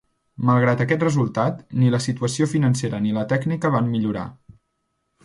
Malgrat aquest resultat, ni la situació financera ni la tècnica van millorar.